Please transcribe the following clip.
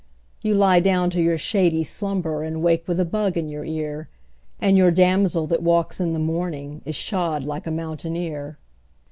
You lie down to your shady slumber And wake with a bug in your ear, And your damsel that walks in the morning Is shod like a mountaineer.